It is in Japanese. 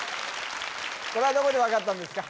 これはどこで分かったんですか？